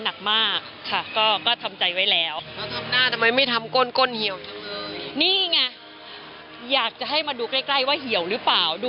เฮ้ยปีทมันจะเป็นแบบนี้หรือเปล่า